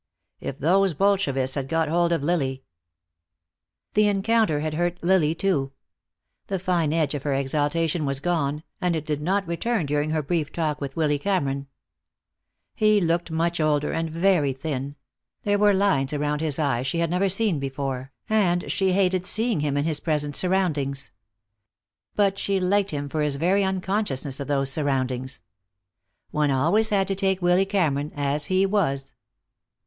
If those Bolshevists had got hold of Lily ! The encounter had hurt Lily, too. The fine edge of her exaltation was gone, and it did not return during her brief talk with Willy Cameron. He looked much older and very thin; there were lines around his eyes she had never seen before, and she hated seeing him in his present surroundings. But she liked him for his very unconsciousness of those surroundings. One always had to take Willy Cameron as he was.